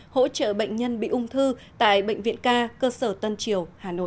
hỗ trợ bệnh nhân bị ung thư tại bệnh viện ca cơ sở tân triều hà nội